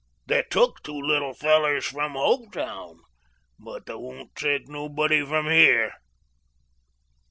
They took two little fellers from Hopetown, but they won't take nobody from here."